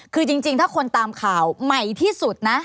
คือจริงถ้าคนตามข่าวใหม่ที่สุดนะ